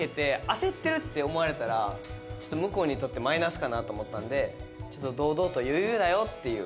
焦ってるって思われたら向こうにとってマイナスかなと思ったんで堂々と余裕だよっていう。